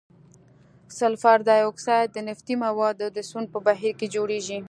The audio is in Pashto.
سلفر ډای اکساید د نفتي موادو د سون په بهیر کې جوړیږي.